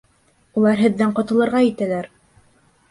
Улар һеҙҙән ҡотолорға итәләр!